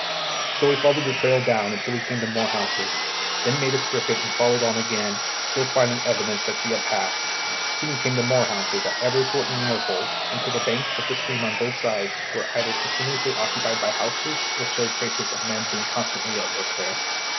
So we followed the trail down until we came to more houses; then made a circuit and followed on again, still finding evidence that she had passed. Soon we came to more houses, at ever shortening intervals, until the bank of the stream on both sides was either continuously occupied by houses or showed traces of men being constantly at work there.